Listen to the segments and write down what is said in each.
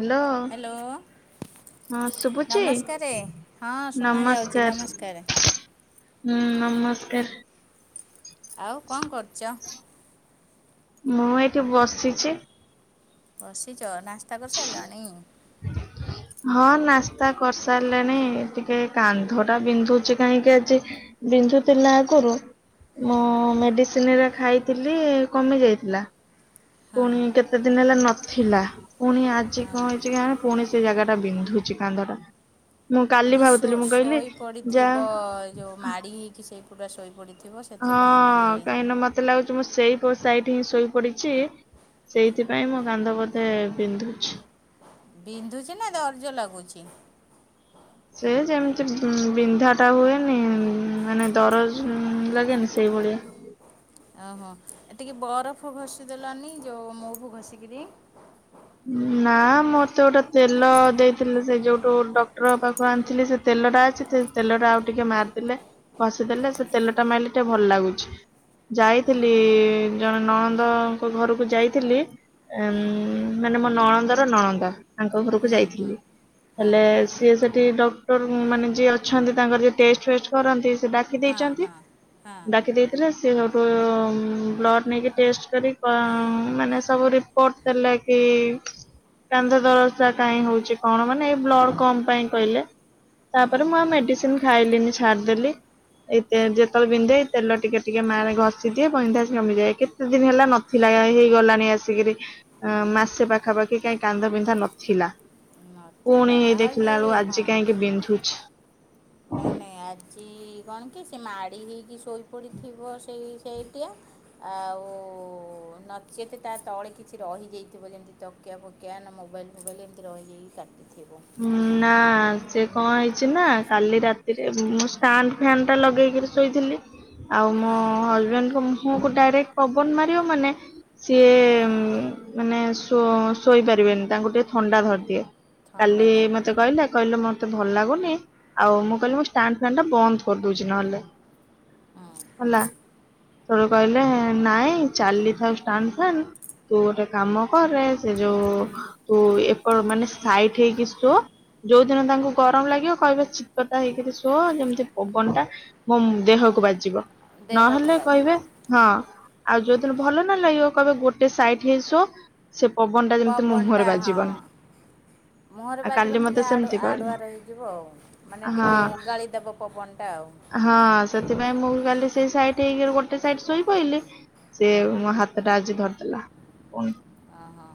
Hello hello. ନମସ୍କାରେ ହଁ ଶୁଣା ଯାଉଛି ନମସ୍କାର। ନମସ୍କାର। ହୁଁ ନମସ୍କାର। ଆଉ କଣ କରୁଚ? ମୁଁ ଏଇଠି ବସିଛି। ବସିଛ ନାସ୍ତା କରିସାରିଲଣି? ହଁ ନାସ୍ତା କରିସାରିଲେଣି ଟିକେ କାନ୍ଧ ଟା ବିନ୍ଧୁଛି କାହିଁକି ଆଜି। ବିନ୍ଧୁଥିଲା ଆଗରୁ ମୁଁ ମେଡିସିନରେ ଖାଇଥିଲି କମି ଯାଇଥିଲା ହଁ ପୁଣି କେ ଏତେ ଦିନ ହେଲେ ନଥିଲା ପୁଣି ଆଜି କଣ ହେଇଛି କାଁଇ ପୁଣି ସେ ଜାଗାଟା ବିନ୍ଧୁଛି କାନ୍ଧ ଟା। ମୁଁ କାଲି ଯେ ଶୋ ଭାବୁଥିଲି ମୁଁ କହିଲି ଶୋଇ ଯା ପଡିଥିବ ଯୋଉ ମାଡି ହେଇକି ସେଇ ପୁରା ଶୋଇ ପଡିଥିବ। ହଁ କାହିଁକି ନା ମତେ ଲାଗୁଛି ମୁଁ ସେଇ ପଟ ସାଇଡେ ହିଁ ଶୋଇପଡିଛି ସେଇଥିପାଇଁ ମୋ କାନ୍ଧ ବୋଧେ ବିନ୍ଧୁଛି। ବିନ୍ଧୁଛି ନା ଦରଜ ଲାଗୁଛି। ସେ ଯେମିତି ଉ ବିନ୍ଧା ଟା ହୁଏନି ମାନେ ଦରଜ ଉ ଲାଗେନି ସେଇଭଳିଆ। ଓହୋ ଏ ଟିକେ ବରଫ ଘଷିଦେଲନି ଯୋଉ ମୁଭୁ ଘଷିକିରି। ନା ମତେ ଗୋଟେ ତେଲ ଦେଇଥିଲେ ସେ ଯୋଉଠୁ ଡକ୍ଟର ପାଖକୁ ଆଣିଥିଲି ସେ। ତେଲ ଟା ଅଛି ସେ ତେଲଟା ଆଉ ଟିକେ ମାରିଦେଲେ ଘଷି ଦେଲେ ସେ ତେଲ ଟା ମାରିଲେ ଟିକେ ଭଲ ଲାଗୁଛି। ଯାଇଥିଲି ଜଣେ ନନ୍ଦଙ୍କ ଘରକୁ ଯାଇଥିଲି ଏମ୍। ହୁଁ ମାନେ ମୋ ନଳନ୍ଦର ନଳନ୍ଦା ତାଙ୍କ ଘରକୁ ହୁଁ ହୁଁ ଯାଇଥିଲି। ହଁ ହେଲେ ସିଏ ସେଠି ଡକ୍ଟର ମାନେ ଯିଏ ଅଛନ୍ତି ତାଙ୍କର ଯିଏ ଟେଷ୍ଟ ଫେଷ୍ଟ କରନ୍ତି ସେ ଡା ଡାକି ହଁ ଦେଇଛନ୍ତି ହଁ ହଁ ଡାକି ଦେଇ ସେଥିରେ ସେ ସେଇଠୁ ବ୍ଲଡ଼୍ ନେଇକି ଟେଷ୍ଟ କରି କ -ମାନେ ସବୁ ରିପୋର୍ଟ ଦେଲେ। କି କାନ୍ଧ ଦରଜ ଟା କାହିଁ ହଉଛି କଣ ମାନେ ଏଇ ବ୍ଲଡ କମ୍ ପାଇଁ କହିଲେ। ତାପରେ ମୁଁ ଆଉ ହୁଁ ମେଡିସିନ ଖାଇଲିନି ଛାଡିଦେଲି। ଏଇ ତେ ଯେତେବେଳେ ବିନ୍ଧେ ଏଇ ତେଲ ଟିକେ ଟିକେ ମା ଘଷି ଦିଏ ବଇଧା କମିଯାଏ କେ କେତେ ଦିନ ହେଲା ନଥିଲା ଏ ଆ ହେଇଗଲାଣି ଆସିକରି। ଅ ମାସେ ପାଖାପାଖି କାହି କାନ୍ଧ ବିିନ୍ଧା ନଥିଲା। ପୁଣି ନଥିଲା ହେଇ ଆଉ ଯେ ଦେଖିଲା ବେଳୁ ଆଜି ହଁ କାହିଁକି ବିନ୍ଧୁଛି। ନାଇଁ ନାଇଁ ଆଜି କଣ କି ସେ ମାଡି ହେଇକି ଶୋଇପଡିଥିବ ସେଇ ସେଇଠିଆ ଆଉ ନଚତେ ତା ତଳେ କିଛି ରହିଯାଇଥିବ ଯେମିତି ତ କିଆ ଫକିଆ ନା ମୋବାଇଲ ଫୋବାଇଲ ଏମତି ରହି ଯାଇକି କାଟିିଥିବ। ଉ ମ ନା ସେ କଣ ହେଇଛି ନା କାଲି ରାତିରେ ମୁଁ ଷ୍ଟାଣ୍ଡ ଫ୍ୟାନ୍ ଟା ଲଗେଇକିରି ଶୋ ଶୋଇଥିଲି ଆଉ ମୋ ହଁ ହଜବେଣ୍ଡଙ୍କ ମୁହଁକୁ ଡାଇରେକ୍ଟ ପବନ ମାରିବ ମାନେ। ସିଏ ମାନେ ଶୋ ଶୋଇପାରିବେନି ତାଙ୍କୁ ଟିକେ ଥଣ୍ଡା ଧରିଦିଏ। ଥଣ୍ଡା କାଲି ମତେ ଧରିଛି କହିଲା କହିଲେ ମତେ ଭଲ ଲାଗୁନି ଆଉ ମୁଁ କହିଲି ମୁଁ ଷ୍ଟାଣ୍ଡ ଫ୍ୟାନ୍ ଟା ବନ୍ଦ କରିଦଉଛି ନହେଲେ। ହୁଁ ହେଲା ସେଠୁ କହିଲେ ନାଇଁ ଚାଲିଥାଉ ଷ୍ଟାଣ୍ଡ ଫ୍ୟାନ୍। ତୁ ଗୋଟେ କାମ କରେ ସେ ଯୋଉ ତୁ ଏପଡ ମାନେ ସାଇଟ୍ ହେଇକି ଶୋ। ଯୋଉଦିନ ତାଙ୍କୁ ଗରମ ଲାଗିବ କହିବେ ଚିତପଟା ହେଇକିରି ଶୋ ଯେମିତି ପବନ ଟା ମୋ ମୁ ଦେହକୁ ବାଜିବ ଦେହକୁ ନହେଲେ କହିବେ ବାଜିବ ହଁ ଆଉ ଯୋଉଦିନ ଭଲ ନ ଲାଗିବ କହିବେ ଗୋଟେ ସାଇଟ୍ ହେଇ ଶୋ। ସେ ପବନ ଟା ଯେମିତି ମୋ ପବନଟା ମୁହଁରେ ହଁ ବାଜିବନି। ମୁହଁରେ ଆଉ ବାଜିବନି କାଲି ଟିକେ ମତେ ଆଡ଼ୁ ସେମିତି କହିଲେ ଆଡ଼ୁଆର ହେଇଯିବୁ ଆଉ। ମାନେ ଟିକେ ହଁ ଓଗାଳିଦବ ପବନଟା ଆଉ। ହଁ ସେଥିପାଇଁ ମୁଁ ବି କାଲି ସେଇ ସାଇଟ୍ ହେଇକିରି ଗୋଟେ ସାଇଡ ଶୋଇପଇଲି ସେ ହୁଁ ମୋ ହାତ୍ ତଟା ଆଜି ଧରିଦେଲା ପୁଣି ଅ ହ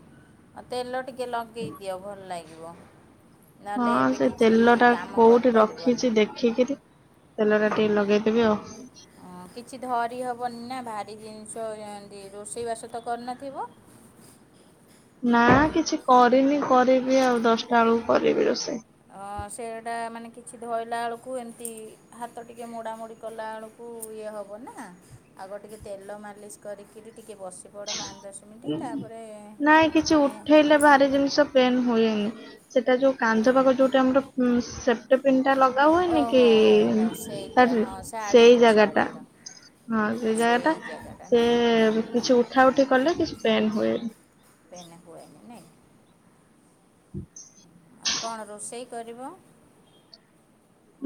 ଅ ତେଲ ଟିକେ ଲଗେଇ ଦିଅ ଭଲ ଲାଗିବ। ନହେଲେ ହଁ ଏବେ ସେ କିଛି କାମ କରିପାରିବନି। ଖିକିରି ତେଲ ଟା ଟିକେ ଲଗେଇଦେବି ଆଉ ହଁ କିଛି ଧରି ହବନି ନା ଭାରି ଜିନିଷ ଏମିତି ରୋଷେଇବାସ ତ କରିନଥିବ। ନା କିଛି କରିନି କରିବି ଆଉ ଦଶଟା ବେଳୁକୁ କରିବି ରୋଷେଇ। ଆ ସେଟା ମାନେ କିଛି ଧଇଲା ବେଳୁକୁ ଏମିତି ହାତ ଟିକେ ମୋଡ଼ାମୋଡ଼ି କଲାବେଳକୁ ଇଏ ହବ ନା ଆଗ ଟିକେ ତେଲ ମାଲିସ୍ କରିକିରି ଟିକେ ବସ୍। ସେଠି ଗଡ଼ ପାଞ୍ଚ ଦଶ ମିନିଟ୍ ତାପରେ ନାଇଁ କିଛି ମାନେ ଉଠେଇଲେ ଭାରି ଜିନିଷ ପେନ୍ ହୁଏନି। ସେଟା ଯୋଉ କାନ୍ଧ ଅହଁ, ପାଖ ଯୋଉଟା ଆମର ଉମ୍ ସେପ୍ ପ୍ଟିପିନ୍ ଟା ଲଗା ହୁଏନି କି ଓହୋ ହଉ ହଉ ସେଇଟା ହଁ [unintelligible] ସେଇ ଶାଢ଼ୀର ଜାଗା ଟା। ଶାଢ଼ୀର ହଁ ଓ ସେ ଜାଗା ସେଇ ଟା ଜାଗାଟା ସେ ନାହିଁ କିଛି ଉଠା ଉଠି କଲେ କିଛି ପେନ୍ ହୁଏନି। ପେନ୍ ହୁଏନି ନାଇଁ? ହୁଁ ଆଉ କଣ ରୋଷେଇ କରିବ?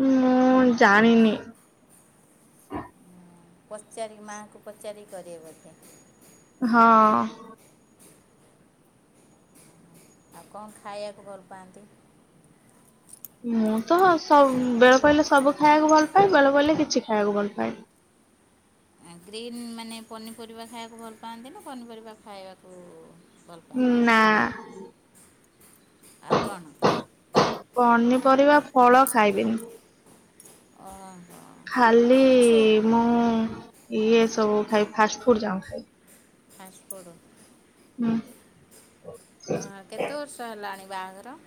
ମୁଁ ଜାଣିନି। ପଚାରିକି ମାଆଙ୍କୁ ପଚାରିକି କରିବ ବୋଧେ। ହଁ। ଆଉ କଣ ଖାଇଆକୁ ଭଲ ପାଆନ୍ତି? ମୁଁ ତ ସବୁ ବେଳ ପଇଲେ ସବୁ ଖାଇଆକୁ ଭଲ ପାଏ ବେଳ ପଇଲେ କିଛି ଖାଇଆକୁ ଭଲ ପାଏନି। ଗ୍ରୀନ୍ ମାନେ ପନିପରିବା ଖାଇବାକୁ ଭଲ ପାଆନ୍ତି ନା ପନିପରିବା ଖାଇବାକୁ ଭଲ ପାଆନ୍ତି ନା। ଆଉ କଣ? ପନିପରିବା ଫଳ ଖାଇବେନି। ଅହ। ଖାଲି ମୁଁ ଇଏ ସବୁ ଖାଇ ଫାଷ୍ଟ ଫୁଡ ଯାଁକ ଖାଇଲି। Fast food? ହୁଁ। ଆ କେତେ ବର୍ଷ ହେଲାଣି ବାହାଘର?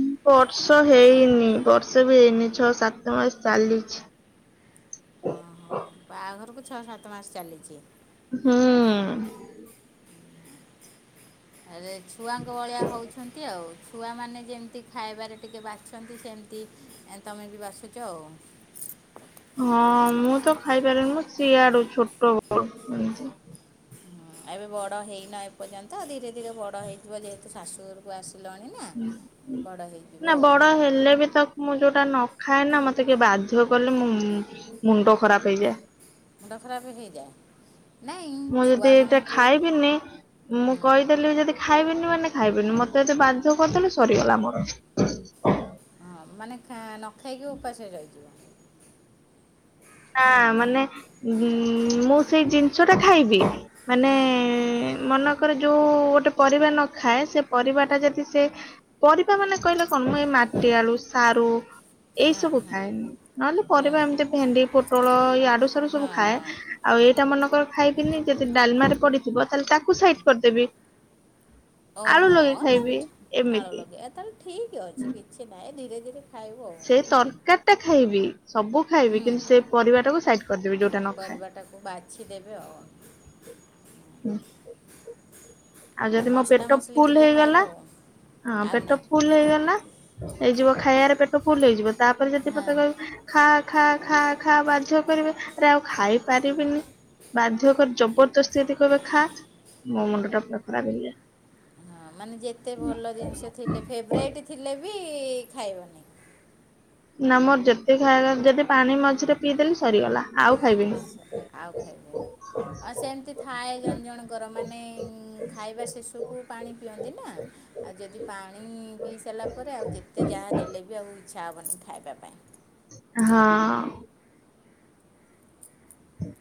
ଉଁ ବର୍ଷ ହେଇନି ବର୍ଷେ ବି ହେଇନି ଛଅ ସାତ ମାସ ଚାଲିଛି। ଆ ହା ବାହାଘରକୁ ଛଅ ସାତ ମାସ ଚାଲିଚି। ହୁଁ। ଆରେ ଛୁଆଙ୍କ ଭଳିଆ ହଉଛନ୍ତି ଆଉ। ଛୁଆମାନେ ଯେମିତି ଖାଇବାରେ ଟିକେ ବାଛନ୍ତି ସେମିତି ତୁମେ ବି ବାଛୁଚ ଆଉ। ହଁ ମୁଁ ତ ଖାଇପାରିନି ସିଆଡୁ ଛୋଟ ବଳୁ ଏମତି। ଏବେ ବଡ଼ ହେଇନ ଏପର୍ଯ୍ୟନ୍ତ ଧୀରେ ଧୀରେ ବଡ଼ ହେଇଯିବ ଯେହେତୁ ଶାଶୁଘରୁ ତୁ ଆସିଲଣି ନା ବଡ଼ ନା ହେଇଯିବ ଆଉ। ବଡ ହେଲେ ବି ତ ମୁଁ ଯୋଉଟା ନ ଖାଏ ନା ମତେ କିଏ ବାଧ୍ୟ କଲେ ମୋ ମୁଣ୍ଡ ଖରାପ ହେଇଯାଏ। ମୁଣ୍ଡ ଖରାପ ହେଇଯାଏ ନାଇଁ ଛୁଆମାନଙ୍କୁ କିନେ। ମୁଁ ହୁଁ, କହିଦେଲି ଯଦି ଖାଇବିନି ମାନେ ଖାଇବିନି ମତେ ଯଦି ବାଧ୍ୟ କରିଦେଲେ ସରିଗଲା ମୋର। ହଁ ମାନେ ନ ଖାଇକି ଉପାସରେ ରହିଯିବ। ନା ମାନେ ମୁଁ ସେଇ ଜିନିଷ ଟା ଖାଇବି। ମାନେ ହଁ ମନ ତାଙ୍କର ଯୋଉ ଗୋଟେ ପରିବା ନ ଖାଏ ସେ ପରିବା ଟା ଯଦି ସେ ପରିବା ମାନେ କହିଲେ କଣ ଏଇ ମାଟି ଆଳୁ ସାରୁ ଏଇ ହଁ ସବୁ ହଁ ଖାଏ ନହେଲେ ହଁ ପରିବା ହଁ ଏମିତି ଭେଣ୍ଡି ପୋଟଳ ଏଇ ଆଡୁ ସାଡୁ ସବୁ ହଁ ଖାଏ। ହଁ ଆଉ ହଁ ଏଇଟା ମନେକର ଖାଇକିନି ଯଦି ଡାଲମାରେ ପଡିଥିବ ତାହେଲେ ତାକୁ ସାଇଡ କରିଦେବି। ଆଳୁ ଓହୋ ଲଗେଇ ଖାଇବି ତାହେଲେ ଆଳ ଏମିତି ଲଗେଇବା ତାହେଲେ ଠିକ ଅଛି କିଛି ନାହିଁ ଧୀରେ ଧୀରେ ଖାଇବୁ ଆଉ। ସେ ତରକାରୀ ଟା ଖାଇବି ସବୁ ଖାଇବି ହୁଁ କିନ୍ତୁ ସେ ପରିବାଟାକୁ ସାଇଡ କରିଦେବି ଯୋଉଟା ନ ଖାଏ। ତାକୁ ବାଛି ଦେବେ ଆଉ। ହୁଁ। ଆଉ ଯଦି ମୋ ମସଲା ପେଟ ମସଲି ଫୁଲ ଟିକେ ଖାଇବ ହେଇଗଲା ଆଉ ହଁ ଆଉ ପେଟ ନାହିଁ ଫୁଲ ହେଇଗଲା ହେଇଯିବ ଖାଇବାରେ ପେଟ ଫୁଲ ହେଇଯିବ ତାପରେ ଯଦି ପତେ ହଁ କହିବ ଖା ଖା ଖା ଖା ବାଧ୍ୟ କରିବେ ଆରେ ଆଉ ଖାଇ ପାରିବିନି। ବାଧ୍ୟ କରି ଜବରଦସ୍ତି ଯଦି କହିବେ ଖା ମୋ ମୁଣ୍ଡ ଟା ପୁରା ଖରାପ ହେଇଯାଏ। ହଁ ମାନେ ଯେତେ ଭଲ ଜିନିଷ ଥିଲେ ଫେବରାଇଟ୍ ଥିଲେ ବି ଖାଇବନି। ନା ମୋର ଯେତେ ଖାଇବା ଯଦି ପାଣି ମଝିରେ ପିଇଦେଲି ସରିଗଲା। ଆଉ ଖାଇବିନି। ଆଉ ଖାଇବେନି ହ ସେମତି ଥାଏ ଜଣ ଜଣଙ୍କର ମାନେ ଖାଇବା ଶେଶକୁ ପାଣି ପିଅନ୍ତି ନା। ଆଉ ଯଦି ପାଣି ପିଇ ସାରିଲା ପରେ ଆଉ ଯେତେ ଯାହା ଦେଲେ ବି ଆଉ ଇଚ୍ଛା ହବନି ଖାଇବା ପାଇଁ। ହଁ ଅଁ।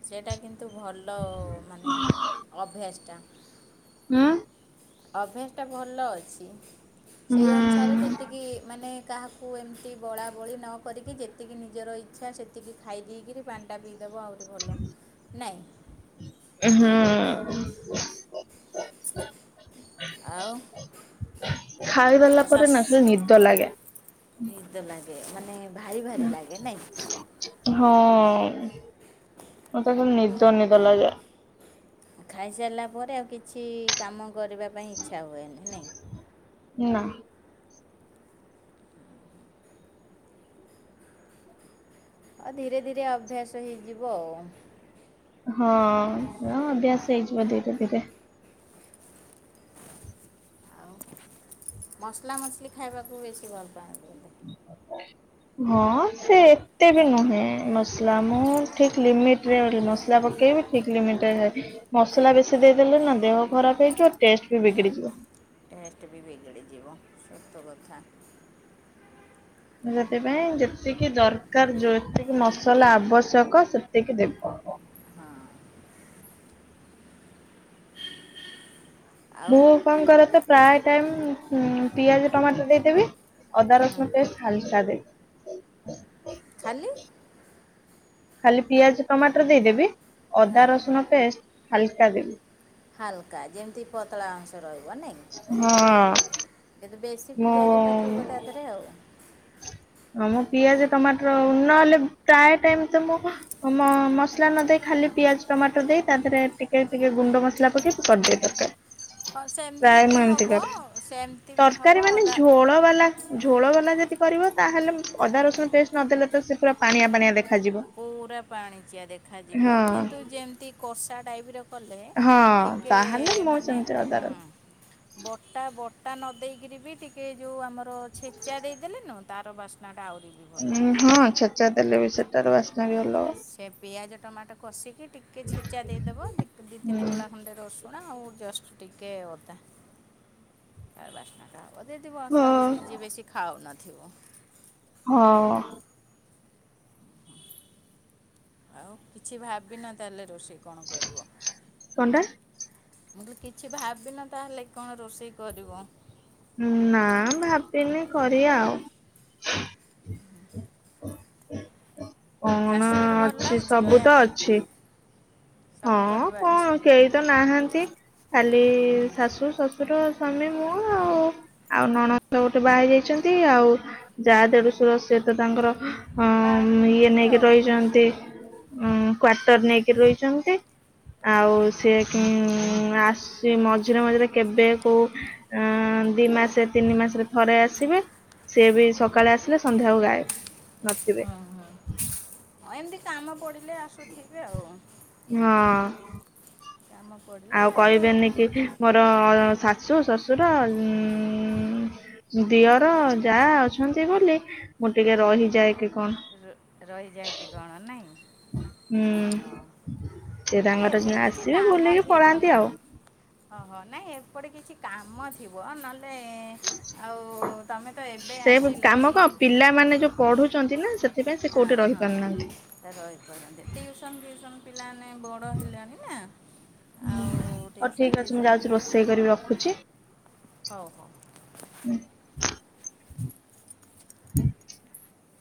ସେଇଟା କିନ୍ତୁ ଭଲ ମାନେ ଅଭ୍ୟାସଟା। ହୁଁ। ଅଭ୍ୟାସ ଟା ଭଲ ଅଛି ସେଇ ହୁଁ ଅନୁସା ଇଚ୍ଛାରେ ଯେତିକି ମାନେ କାହାକୁ ଏମିତି ବଳାବଳି ନ କରିକି ଯେତିକି ନିଜର ଇଚ୍ଛା ସେ ଜେତିକି ଖାଇ ଦେଇକରି ପାଣିଟା ପିଇଦେବ ଆହୁରି ଭଲ ନାଇଁ। ହୁଁ। ଆଉ। ଖାଇ ଦେଲା ପରେ ଶ୍ୱାସ ନା ଖାଲି ନିଦ ଲାଗେ। ନିଦ ଲାଗେ ମାନେ ଭାରି ଭାରି ଲାଗେ ନାଇଁ। ହଁ ଅଁ ମତେ ଖାଲି ନିଦ ନିଦ ଲାଗେ। ଖାଇସାରିଲା ପରେ ଆଉ କିଛି କାମ କରିବା ପାଇଁ ଇଚ୍ଛା ହୁଏନି ନାଇଁ। ନା। ଆ ଧୀରେ ଧୀରେ ଅଭ୍ୟାସ ହେଇଯିବ ଆଉ। ହଁ ଏ ଅଭ୍ୟାସ ହେଇଯିବ ଧୀରେ ଧୀରେ। ଆଉ ମସଲା ମସଲି ଖାଇବାକୁ ବେଶୀ ଭଲ ପାଆନ୍ତି ବୋଧେ। ହଁ ସେ ଏତେ ବି ନୁହେଁ ମସଲା। ମୁଁ ଠିକ ଲିମିଟରେ ମସଲା ପକେଇବି। ଠିକ ଲିମିଟରେ ମସଲା ବେଶୀ ଦେଇଦେଲେ ନା ଦେହ ଖରାପ ହେଇଯିବ ଟେଷ୍ଟ ବି ବିଗିଡିଯିବ। ଟେଷ୍ଟ ବି ବିଗିଡ଼ିଯିବ ସତକଥା। ସେଥିପାଇଁ ଯେତିକି ଦରକାର ଯେତିକି ମସଲା ଆବଶ୍ୟକ ସେତିକି ଦେବ। ହଁ ଅଁ। ଆଉ ମୁଁ କଣ କରେ ତ ପ୍ରାୟ ଟାଇମ ଉଁ ପିଆଜ ଟମାଟର ଦେଇଦେବି। ଅଦା ହୁଁ ରସୁଣ ପେଷ୍ଟ ଖାଲି ଚା ଦେ ଖାଲି ଖାଲି ପିଆଜ, ଟମାଟର ଦେଇଦେବି। ହଁ ଅଦା ରସୁଣ ପେଷ୍ଟ ହାଲକା ଦେବି। ହାଲକା ଯେମିତି ପତଳା ଅଂଶ ରହିବ ନେଇଁ କି। ହଁ। ଯଦି ବେଶୀ ମୁଁ ପିଆଜଟା ଥିବ ତା ଦେହରେ ଆଉ। ହଁ ମୁଁ ପିଆଜ ଟମାଟର ନହେଲେ ପ୍ରାଏ ଟାଇମ ତ ମୁଁ ମ ମସଲା ନ ଦେଇ ଖାଲି ପିଆଜ ଟମାଟର ଦେଇ ତା ଦେହରେ ଟିକେ ଟିକେ ଗୁଣ୍ଡ ମସଲା ପକେଇ କରିଦିଏ ତରକାରି। ହଁ ସେମିତି ପ୍ରାୟ ବି ମୁଁ ଏମତି ହବ କରେ। ସେମିତି ବି ହବ ତରକାରୀ ମାନେ ଅଦା ଝୋଳ ବାଲା ଝୋଳ ବାଲା ଯଦି କରିବ ତାହେଲେ ଅଦା ରସୁଣ ପେଷ୍ଟ ନଦେଲେ ତ ସେ ପୁରା ପାଣିଆ ପାଣିଆ ଦେଖାଯିବ। ପୁରା ପାଣି ଚିଆ ଦେଖାଯିବ ହଁ କିନ୍ତୁ ଯେମିତି କଷା ଟାଇପର କଲେ ହଁ ଟିକେ ତାହେଲେ ମୁଁ ମାନେ ସେମିତି ଅଦା ହୁଁ। ରସୁଣ ବଟା ବଟା ନଦେଇକିରି ବି ଟିକେ ଏ ଯୋଉ ଆମର ଛେଚା ଦେଇଦେଲେ ନୁହଁ ତାର ବାସ୍ନାଟା ଆହୁରି ବି ଭଲ ଉ ହଁ ଛେଚା ଦେଲେ ବି ସେଟାର ବାସ୍ନା ବି ଅଲଗା। ସେ ପିଆଜ ଟମାଟୋ କଷିକି ଟିକେ ଛେଚା ଦେଇଦେବ। ଦି ଦିଇ ତିନି ହବ। କୋଲା ଖଣ୍ଡେ ରସୁ ଶୁଣ ଆଉ ଜଷ୍ଟ ଟିକେ ଅଦା ଚାର ବାସ୍ନା। ତା ହବ ଯଦି ହୁଁ ମସଲା ମସଲି ହଁ ଯିଏ ବେଶି ଖାଉନଥିବ। ହଁ। ଆଉ କିଛି ଭାବିିନ ତାହେଲେ ରୋଷେଇ କଣ କରିବ? କଣ୍ଟା? ମୁ କହିଲି କିଛି ଭାବିନ ତାହେଲେ କଣ ରୋଷେଇ କରିବ। ହୁଁ ନା ଭାବିନି କରିବା ଆଉ। କଣ ଶାଶୁଘରେ ଭଲ ଅଛି ଲାଗୁଛି ସବୁ ରହିବା ତ ପାଇଁ ଅଛି। ସବୁ ହଁ ପରିବା କଣ ଅଛି କେହି ତ ନାହାନ୍ତି, ଖାଲି ହୁଁ ଶାଶୁ ଶ ଶୁର ସ୍ୱାମୀ ମୁଁ ଆଉ। ଆଉ ନଣସ ଗୋଟେ ବାହାରି ଯାଇଛନ୍ତି ଆଉ ଯାହା ଦେଢଶୁର ସିଏ ତ ତାଙ୍କର ବାହାରେ ଇଏ ରହୁଥିବେ ନେଇକି ଆଉ ରହିଚନ୍ତି। ଉଁ କ୍ଵାର୍ଟର ନେଇକି ରହିଚନ୍ତି ହଁ ଆଉ ହଁ ସିଏ ଆସିଚି ମଝିରେ ମଝିରେ କେବେ କଉ ଦି ମାସରେ ତିନି ମାସରେ ଥରେ ଆସିବେ ସିଏ ବି ସକାଳେ ଆସିଲେ ସନ୍ଧ୍ୟାକୁ ଗାଇବ ନଥିବେ। ହଁ ହଁ ହଁ ଏମିତି କାମ ପଡ଼ିଲେ ଆସୁଥିବେ ଆଉ। ହଁ। କାମ ପଡ଼ ଆଉ କହିବେନି କି ମୋର ଶାଶୁ ଶଶୁର ଉ ଦିଅର ଯାହଆ ଅଛନ୍ତି ବୋଲି ମୁଁ ଟିକେ ରହିଯାଏ କି କଣ? ର ରହିଯାଏ କି କଣ ନାଇ? ହୁଁ ଅହ ସେ ଏ ତାଙ୍କର ଯା ଏପଟେ କିଛି ଆସିବେ କାମ ବୁଲିକି ଥିବ। ପଳାନ୍ତି ଆଉ ହ ହ ନାଇଁ ଏପଟେ କିଛି କାମ ଥିବ ନଲେ ଆଉ ତମେ ତ ଏବେ ସେ ଆସିଲ କାମ ସି କଣ ପିଲାମାନେ ଯୋଉ ପଢ଼ୁଚନ୍ତି ନା ସେ ସେଥିପାଇଁ ହଁ କୋଉଠି ହଁ ରହିପାରୁନାହାନ୍ତି। ରହିପାରନ୍ତି ଟିଉସନ୍ ଫଉସନ୍ ପିଲାମାନେ ବ ଡ଼ ହେଲେଣି ନା ଆଉ ହଉ ଠିକ୍ ଟିଉସନ୍ ଅଛି ମୁଁ ଫଉସନ୍ ଯାଉଛି ରୋଷେଇ କରିବି ରଖୁଛି ହଉ ହଉ।